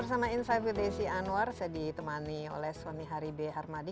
prosason insight with desi anwar saya di temani oleh soni haribe harmadi